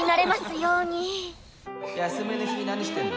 休みの日何してんの？